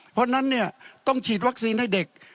เพราะฉะนั้นเนี่ยต้องฉีดวัคซีนให้เด็ก